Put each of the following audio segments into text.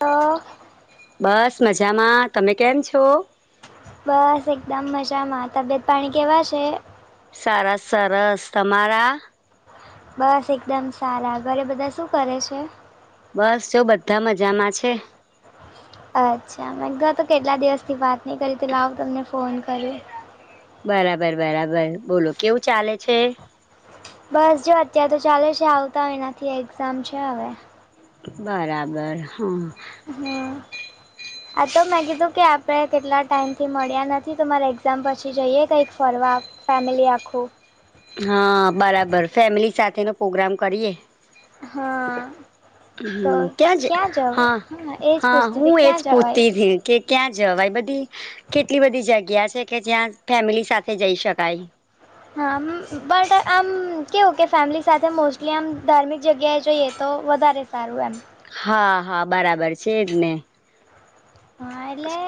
તો બસ મજામા. તમે કેમ છો? બસ એકદમ મજામા. તબિયત પાણી કેવા છે? સારા સરસ તમારા? બસ એકદમ સાલા ઘરે બધા શું કરે છે? બસ જો બધા મજામા છે. અચ્છા એમ તો તો કેટલા દિવસથી વાત નહી કરી તો લાવુ તમને ફોન કરી. બરાબર બરાબર બોલો કેવુ ચાલે છે? બસ જો અત્યાર તો ચાલે છે આવતા મહિનાથી એક્ઝામ છે હવે. બરાબર હમ. હમ આ તોમે કીધુ કે આપણે કેટલા ટાઈમથી મળ્યા નથી તો મારે એક્ઝામ પછી જઈએ કંઈક ફરવા ફેમિલી આખુ. હા બરાબર ફેમિલી સાથેનો પ્રોગ્રામ કરીએ. હા. તો હ ત્યાં જ ક્યાં જવ હા એ જ હા પૂછતી હતી હું એજ ક્યાં જવાય પૂછતી થી. કે ક્યાં જવાય બધી કેટલી બધી જગ્યા છે કે જ્યાં ફેમિલી સાથે જઈ શકાય. હામ બટ આમ કેવુ કે ફેમિલી સાથે મોસ્ટલી આમ ધાર્મિક જગ્યાએ જઈએ તો વધારે સારું એમ. હા હા બરાબર છે એજને. હા એટલે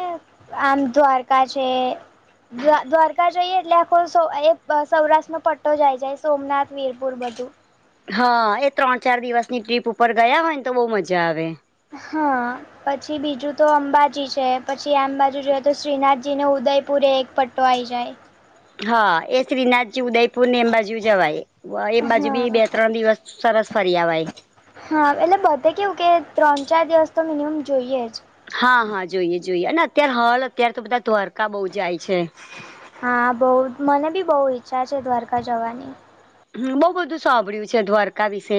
આમ દ્વારકા છે. દ્વા દ્વારકા જઈએ એટલે આખો સૌ એ બ સૌરાષ્ટ્રનો પટ્ટો જ આઈ જાય સોમનાથ, વીરપુર બધુ. હા એ ત્રણ ચાર દિવસની ટ્રીપ ઉપર ગયા હોયન તો બહુ મજા આવે. હા. પછી બીજુ તો અંબાજી છે પછી આમ બાજુ જોએ તો શ્રીનાથજી ને ઉદયપુર એક પ ટો આઈ જાય. હા, એ શ્રીનાથજી, ઉદયપુર ને, અંબાજીયું જવાય. વ એમ બાજુ બી હા બે-ત્રણ દિવસ સરસ ફરી આવાય. હા, એટલે બધે કેવું કે, ત્રણ-ચાર દિવસ તો મિનિમમ જોઈએ જ. હા, હા, જોઈએ, જોઈએ, અને અત્યારે હાલ અત્યારે તો બધા દ્વારકા બહુ જાય છે. હા, બહુ મને બી બહુ ઈચ્છા છે, દ્વારકા જવાની. બઉુ બધું સાંભળ્યું છે દ્વારકા વિશે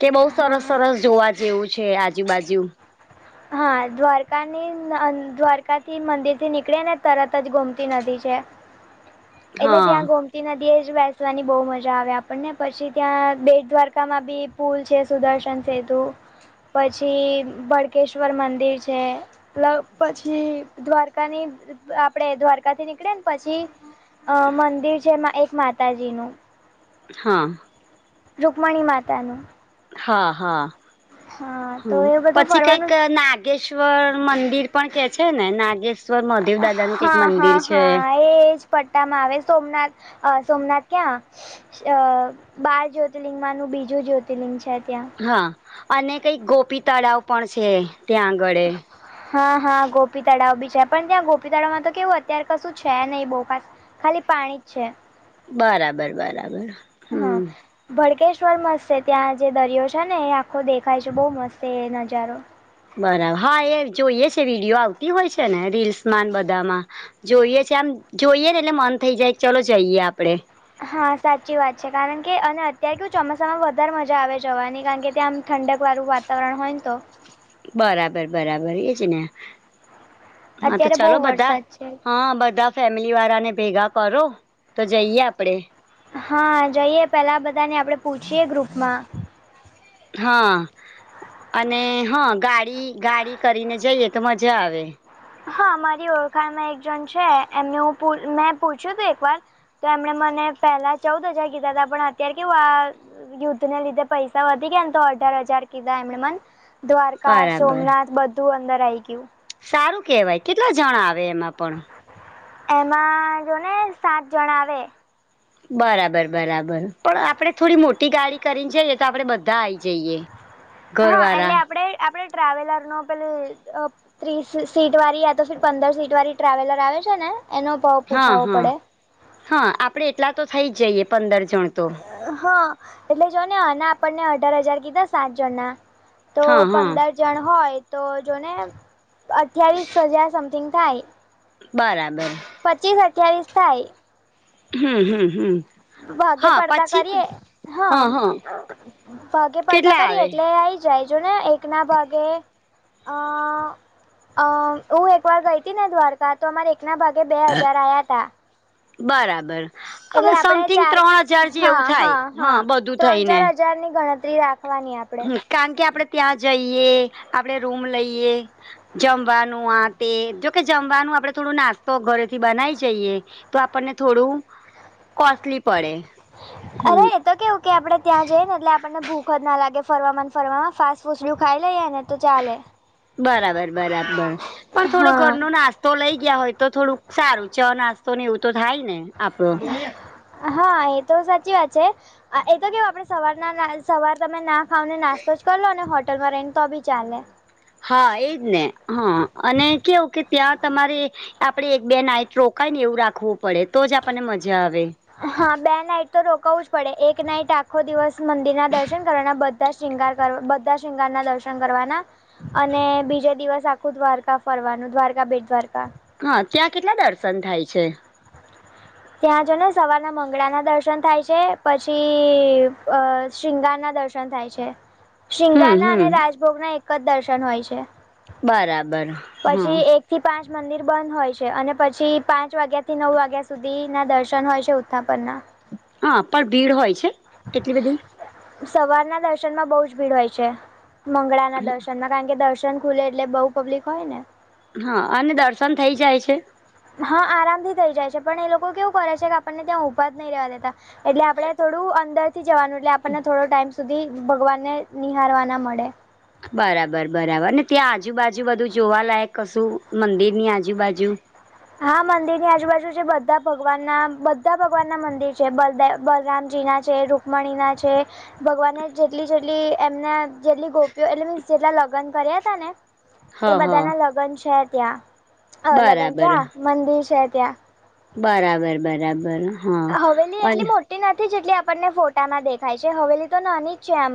કે, બઉુ સરસ હા સરસ જોવા. જેવું છે, આજુબાજુ. હા, દ્વારકાની દ્વારકાથી મંદિર થી નીકળી ને, તરત જ ગોમતી નદી છે. [unintelligible] એટલે હા ત્યાં ગૌમ તી નદીએ જ બેસવાની બહુ મજા આવે આપણને પછી ત્યાં બેત દ્વારકામાં બી પુલ છે, સુદર્શન સેતુ પછી. કેશ્વર મંદિર છે પ પછી દ્વારકાની આપડે દ્વારકાથી નીકળે ને, પછી અહ મંદિર છે એક માતાજી નું હા. રુકમણી માતાનું હા, હા, હા તો હમ્મ, એ બધું પછી કંઈક ફરવાનું નાગ નાગેશ્વર મંદિર પણ કે છે ને, નાગેશ્વર મહાદેવ દાદા નું કઈક હા મંદિર હા છે. હા એજ પટ્ટામાં આવે, સોમનાથ અહ સોમનાથ ક્યાં? અહ બાર જ્યોતિર્લિંગ માંનું બીજું જ્યોતિર્લિંગ છે ત્યાં. હા, અને કંઈક ગોપી તળાવ પણ છે, ત્યાં આગળ એ હા, હા, ગોપી તળાવ બી છે, પણ ત્યાં ગોપી તળાવમાં તો કેવું અત્યારે કશું છે નહીં, બહુ ખાસ. ખાલી પાણી જ છે. બરાબર, બરાબર. હા. હમ ભડકેશ્વર મસ્ત છે, ત્યાં જે દરિયો છે ને, એ આખો દેખાય છે, બહુ મસ્ત છે એ નજારો. બરાબર. હા, એ જોઈએ છે, વિડીયો આવતી હોય છે ને, રીલ્સમાં બધામાં. જોઈએ છે, આમ જોઈએ ને, એટલે મન થઈ જાય, ચાલ જઈએ આપડે. હા, સાચી વાત છે, કારણકે, અને અત્યારે કે ચોમાસામાં વધારે મજા આવે જવાની, કારણકે ત્યાં આમ ઠંડક વાળું વાત વાતાવરણ હોયને તો. બરાબર, બરાબર, એજને. હા, તો અત્યારે બહુ ચાલો બધા. વરસાદ છે હા, બધા ફેમિલી વાળા ને ભેગા કરો તો, જઈએ આપડે. હા જઈએ, પેલા બધાને, આપડે પૂછીએ ગ્રુપમાં. હા, અને હં ગાડી ગાડી કરીને જઈએ, તો મજા આવે. હા, મારી ઓળખાણમાં એક જણ છે, એમને હું મેં પૂછ્યું તું એક વાર. તો એમણે મને પેલા ચૌદ હજાર કીધા હતા, પણ અત્યારે કેવું આ યુદ્ધને લીધે પૈસા વધી ગયા ને, તો અઢાર હજાર કીધા, એમણે મને દ્વારકા, બરાબર સોમનાથ બધું અંદર આઈ ગયું. સારું કહેવાય, કેટલા જણા આવે, એમાં પણ? એમાં જો ને, સાત જણ આવે. બરાબર, બરાબર, પણ આપડે થોડી મોટી ગાડી કરીને જઈએ, તો આપડે બધા આઈ જઈએ. [unintelligible] હા, એટલે ઘરવાળા આપડે આપડે ટ્રાવેલર નો પે ત્રીસ સીટ વાળી, યા તો પંદર સીટ વાળી ટ્રાવેલર આવે છે ને, એનો ભાવ હા, પૂછાવો હા, પડે હા, આપડે એટલા તો થઇ જ જઈએ, પંદર જણ તો. હા, એટલે જો ને, એના આપણને અઢાર હજાર કીધા સાત જણના. તો હા હા પંદર જણ હોય તો, જોને અઠ્યાવીસ હજાર સમથિંગ થાય. બરાબર. પચીવ અઠ્યાવીસ થાય. હમ હમ હમ. ભાગે હા પડતા પછી કરીએ હા હામ હા ભાગે પડતા કેટલા કરીએ આવે એટલે આ આઈ જાય જો ને એક ના ભાગે અ અ હું એક વાર ગઈ હતી ને દ્વારકા તો અમારે એકના ભાગે બે હજાર આયાતા. બરાબર હવે આપણે સમથિંગ ચાર ત્રણ હજાર જેવું થાય હા બધું થઈ ને. જારની ગણતરી રાખવાની આપ હ કારણ કે આપડે ત્યાં જઈએ આપડે રૂમ લઈએ. જમવાનું આ તે જોકે જમવાનું આપડે થોડું નાસ્તો ઘરેથી બનાય જઈએ. તો આપણને થોડું કોસ્ટલી પડે. અરે હમ એ તો કેવું કે આપડે ત્યાં જઈએ ને એટલે આપણને ભૂખ જ ના લાગે ફરવા ને ફરવામાં ફાસ્ટ ફુસું ને એવું ખાઈ લઈએ ને તો ચાલે. બરાબર બરાબર પણ થોડો ઘરનો હા ના તો લઈ ગયા હોય તો થોડુંક સારું ચ નાસ્તો ને એવું તો થાય ને. આપડો હા એ તો સાચી વાત છે. એ તો કેવું આપડે સવાર ના સવાર તમે ના ખાવને નાસ્તો જ કર લો ને હોટલમાં રહીન તો બી ચાલે. હા એજ ને હા અને કેવું કે ત્યાં તમારે આપડે એક બે નાઈટ રોકાય ને એવું રાખવું પડે તો જ આપણને મજા આવે. હા બે નાઈટ તો રોકાવુ જ પડે એક નાઈટ આ ખો દિવસ મંદિરના દર્શન કરવાના બધા શૃંગાર કરવા બધા શૃંગારના દર્શન કરવાના. અને બીજે દિવસ આખું દ્વારકા ફરવાનું દ્વારકા બેટ દ્વારકા. હા ત્યાં કેટલા દર્શન થાય છે. ત્યાં જો ને સવારના મંગળા ના દર્શન થાય છે પછી અ શિંગાર ના દર્શ ર્શન થાય છે હમ શિંગારના અને હમ રાજભોગના એક જ દર્શન હોય છે. બરાબર. હા પછી એક થી પાંચ મંદિર બંધ હોય છે અને પછી પાંચ વાગ્યાથી નવ વાગ્યા સુધી ના દર્શન હોય છે ઉથા પરના. હા પણ ભીડ હોય છે કેટલી બધી. સવારના દર્શનમાં બહુ જ ભીડ હોય છે મંગળાના દર્શનમાં. કારણ કે દર્શન ખુલે એટલે બઉ પબ્લિક હોય ને. હા અને દર્શન થઈ જાય છે. હા આરામથી થઇ જાય છે પણ એ લોકો કેવું કરે છે કે આપણને ત્યાં ઊભા જ નહી રેવા દેતા. એટલે આપડે થોડું અંદર થી જવાનું એટલે આપણને થોડો ટાઈમ સુધી ભગવાનને નિહારવાના મડે. બરાબર બરાબર ને ત્યાં આજુબાજુ બધું જોવાલાયક કશું મંદિરની આજુબાજુ. હા મંદિર ની આજુબાજુ છે બધા ભગવાન ના બધા ભગવાન ના મંદિર છે બલદે બલરામજી ના છે રુકમણીના છે. ભગવાને જેટલી જેટલી એમના જેટલી ગોપીઓ એટલે મીન્સ જેટલા લગન કર્યાતા ને હ એ હ બધાના લગન છે ત્યાં અ લગન બરાબર ક્યાં મંદિર છે ત્યાં. બરાબર બરાબર. હા હવેલી એટલી અને મો ટી નથી જેટલી આપણને ફોટામાં દેખાય છે હવેલી તો નાની છે આમ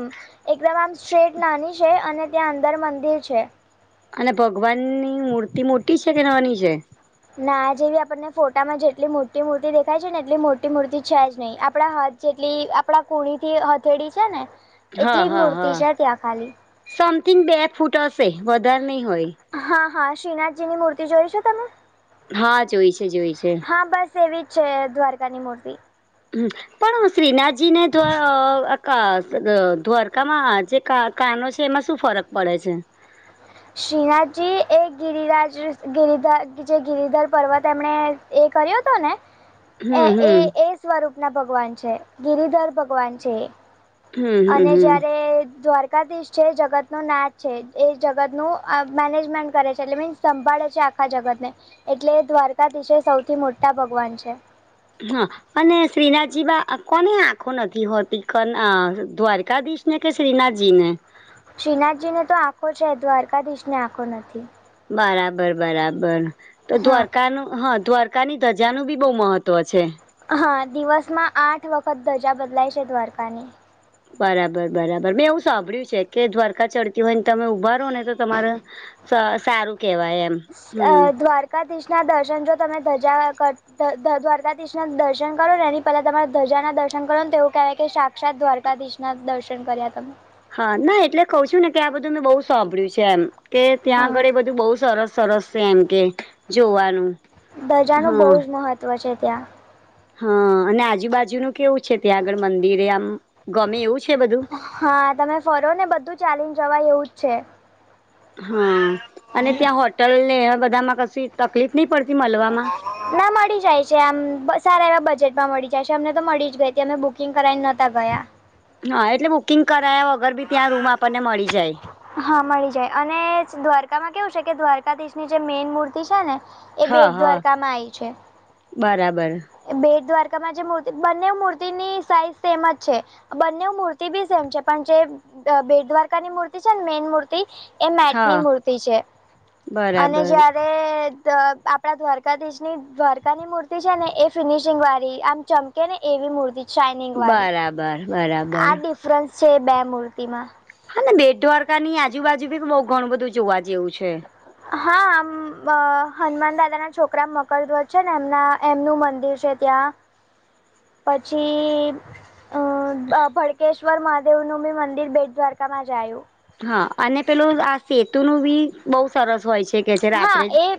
એકદમ આમ સેજ નાની છે અને ત્યાં અંદર મંદિર છે. અને ભગવાનની મૂર્તિ મોટી છે કે નાની છે? ના જેવી આપણને ફોટામાં જેટલી મોટી મૂર્તિ દેખાય છે ને એટલી મોટી મૂર્તિ છે જ નહીં, આપણા હાથ જેટલી આપણા કુણીથી હથેળી છે ને હા એટલી જ હા મૂર્તિ હા છે ત્યાં ખાલી. સમથિંગ બે ફૂટ હશે વધાર નય હોય. હા હા, શ્રીનાથજીની મૂર્તિ જોઈ છે તમે? હા, જોઈ છે જોઈ છે. હા બસ એવી જ છે દ્વારકાની મૂર્તિ. પણ શ્રીનાથજીને દ્વવ ક દ દ્વારકામાં જે કા કાનો છે એમાં શું ફરક પડે છે. શ્રીનાથજી એ ગિરિરાજ જે ગીરધા જે ગિરિધર પર્વત એમણે એ કર્યો તો ને? [inaudible] અ એ હમ એ એ સ્વરૂપના ભગવાન છે ગિરિધર ભગવાન છે એ. હમ હમ અને જયારે હમ દ્વાર તાદિશ છે જગતના નાથ છે એ જગતનું અ મેનેજમેન્ટ કરે છે એટલે મીન્સ સંભાળે છે આખા જગતને, એટલે દ્વારકાધીશ એ સૌથી મોટા ભગવાન છે. હા અને શ્રીનાથજીબા આ કોને આંખો નથી હોતી કન અ દ્વારકાધીશ ની કે શ્રીનાજીની. શ્રીનાથજી ને તો આખો છે દ્વારકાધીશને આખો નથી. બરાબર બરાબર. તો હા દ્વારકાનું હ દ્વાર ત્યાંની ધજાનું બી બઉ મહત્વ છે. હા દિવસમાં આઠ વખત ધજા બદલાય છે દ્વારકાની. બરાબર બરાબર. મેં એવું સાંભળ્યું છે કે દ્વારકા ચઢતી હોય ને તમે ઊભા રો ને તો તમારે સ સારું કેવાય એમ. અ હમ દ્વારકાધીશના દર્શન જો તમે ધજા કર દ દ દ્વારકાધીશ ના દર્શન કરોને એની પેલા તમારા ધજાના દર્શન કરો તો એવું કે કે શા ક્ષાત દ્વારકાધીશના દર્શન કર્યા તમે. હા નય. એટલે કઉ છું ને કે આ બધું મે બઉ સાભળ્યું છે એમ કે ત્યાં હા આગળ એ બધું બહુ સરસ સરસ સે એમ કેય જોવાનું. ધજાનું બઉ હા જ મહત્ત્વ છે ત્યાં. હા અને આજુબાજુનું કેવું છે ત્યાં આગળ મંદિરે આમ. ગમે એવું છે બધું? હા તમે ફરો ને બધું ચાલીન જવાય એવું જ છે. હા અને ત્યાં હોટલ ને એવા બધામાં કશી તકલીફ નઇ પડતી મલવામાં? ના મળી જાય છે આમ, સારા એવા બજેટમાં મળી જાય છે અમને તો મળી જ ગઈતી, અમે બુકિંગ કરાવી નતા ગયા. હા, એટલે બુકિંગ કરાયા વગર બી ત્યાં રૂમ આપણને મળી જાય. હા મળી જાય, અને દ્વારકામાં કેવું છે કે દ્વારકાધીશની જે મેઈન મૂર્તિ છે ને એ હા બેટ હા દ્વારકામાં આયી છે. બરાબર. બેટ દ્વારકામાં જે મૂર્તિ બંનેઉ મૂર્તિની સાઈઝ સેમ જ છે. બંનેઉ મૂર્તિ બી સેમ છે પણ જે અ બેટ દ્વારકાની મૂર્તિ છે ને મેઇન મૂર્તિ એ મેટની હા મૂર્તિ છે, અને બરાબર જે ને ત આપણા દ્વારકાધીશની દ્વારકાની મૂર્તિ છે ને એ ફિનિશિંગવારી આમ ચમકે ને એવી મૂર્તિ શાઇનિંગ વારી. બરાબર બરાબર આ ડિફ ફરન્સ છે બે મૂર્તિમાં. હને બેટ દ્વારકાની આજુબાજુ ભી બઉ ઘણું બધું જોવા જેવું છે. હા, આમ અ હનુમાન દાદાના છોકરા મકરધ્વજ છે ને, એમના એમનું મંદિર છે ત્યાં. [unintelligible] પછી અ અ ભડકેશ્વર મહાદેવનું બી મંદિર, બેટ દ્વારકામાં જાયું. હા, અને પેલું આ સેતુ નું બી બહુ સરસ હોય છે કે, જે હા રાત્રે એ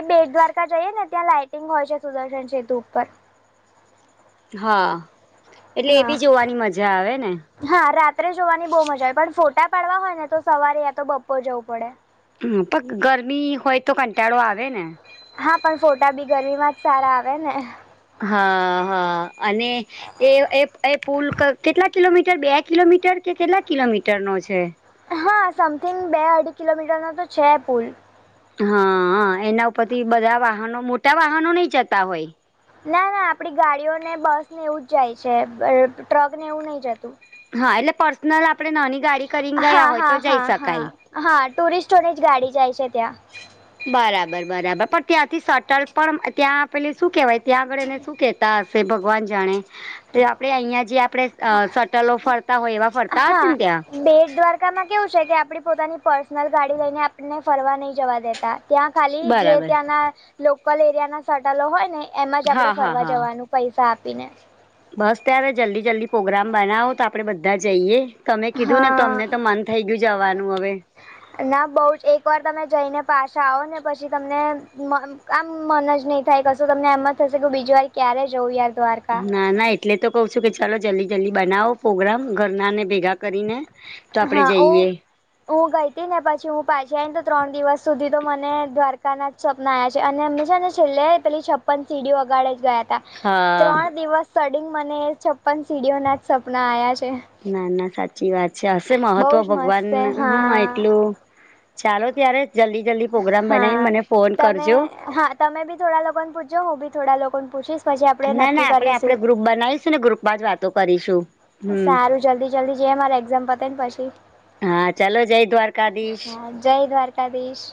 એ બેટ દ્વારકા જઈએ ને, ત્યાં લાાઈટિંગ હોય છે, સુદર્શન સેતુ ઉપર હા, એટલે એ હા બી જોવાની મજા આવે ને. હા, રાત્રે જોવાની બહુ મજા, પણ ફોટા પાડવા હોય ને, તો સવારે યા તો બપર જવું પડે. હમ, પણ ગરમી હોય તો, કંટાળો આવે ને. હા, પણ ફોટા બી ગરમી માં જ સારા આવે ને. હા, હા, અને એ એ પુલ કેટલા કિલોમીટર, બે કિલોમીટર કે, કેટલા કિલોમીટર નો છે. હા, સમથિંગ બે અઢી કિલોમીટરનો તો છે પુલ. ઉપરથી બધા વાહનો મોટા વાહનો નહીં જતા હોય. ના, ના આપડી ગાડીઓને બસ ને, એવું જ જાય છે, ટ્રક ને, એવું નહી જતું. હા, એટલે પર્સનલ આપણે નાની ગાડી કરીને હા ગયા હોય હા તો, જઈ હા હા શકાય. હા, ટુરિસ્ટોની જ ગાડી જાય છે ત્યાં. બરાબર, બરાબર પણ ત્યાંથી સટલ પણ ત્યાં પે શું કેવાય? ત્યાં આગળ એને શું કહેતા હશે? ભગવાન જાણે તો આપણે અહીંયા જે આપણે. અ સટલો ફરતા હોય, એવા ફરતા હશે હા ને ત્યાં. બેટ દ્વારકામાં કેવું છે કે, આપડી પોતાની પર્સનલ ગાડી લઈને, આપણને ફરવા નહી જવા દેતા. ત્યાં ખાલી જે બરાબર ત્યાંના લોકલ એરિયા ના સટલો હોય ને, એમ જ આપણે હા હા ફરવા હા જવાનું. પૈસા આપીને. બસ ત્યારે, જલ્દી-જલ્દી પોગ્રામ બનાવો તો, આપણે બધા જઈએ. તમે કીધું ને, હા તમને તો મન થઈ ગયું, જવાનું હવે. ના, બહુ જ એકવાર તમે જઈને પાછા આવો ને, પછી તમને મ આમ મન જ નહી થાય, કશું તમને એમ જ થશે કે, બીજી વાર ક્યારે જવું યાર દ્વારકા. ના, ના એટલે કવ છું, ચાલો જલ્દી-જલ્દી બનાવો, પ્રોગ્રામ ઘરનાને ભેગા કરીને. તો આપડે હા, ઓ. જઈએ હું ગઈ હતી ને, પછી હું પાછી આવીઈને, ત્રણ દિવસ સુધી તો મને દ્વારકા ના. સપના આ છે, અને એમ છે ને, છેલ્લે પેલી છપ્પન સીડીઓ અગાડ જ ગયા હતા. હા ત્રણ દિવસ સડીંગ, મને છપ્પન સીડીઓના જ સપના આવ્યા છે. ના, ના સાચી વાત છે, હશે, બહુ મહત્વ જ મસ્ત ભગવાન. છે હા, એટલું. ચાલો, ત્યારે જલ્દી-જલ્દી પ્રોગ્રામ બનાવીને, હા મને ફોન તમે કરજો. હા તમે બી થોડા લોકોને પૂછજો, હું બી થોડા લોકોને પૂછીશ. પછી આપણે ના, ના નક્કી આપણે કરીશું આપડણે ગ્રુપ બનાવીશું ને, ગ્રુપમાં જ વાતો કરીશું. હમ સારું, જલ્દી-જલ્દી જઈ, મારે એક્ઝામ પતે ને પછી હા, દ્વારકાધીશ. હા, જય દ્વારકાધીશ.